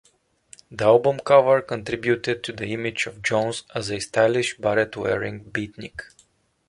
The album cover contributed to the image of Jones as a stylish beret-wearing beatnik.